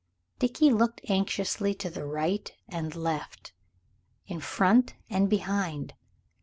Dickie looked anxiously to right and left, in front and behind.